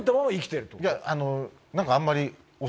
何かあんまり。